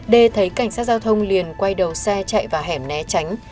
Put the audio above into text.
d thấy cảnh sát giao thông liền quay đầu xe chạy vào hẻm né tránh